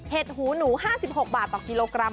หูหนู๕๖บาทต่อกิโลกรัม